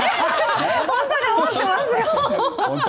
本当に思ってますよ。